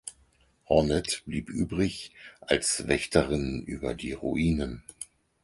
Hornet blieb übrig als Wächterin über die Ruinen.